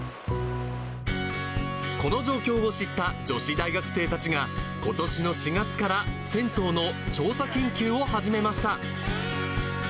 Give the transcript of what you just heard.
この状況を知った女子大学生たちが、ことしの４月から銭湯の調査研究を始めました。